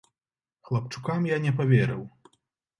Хлапчукам я не паверыў.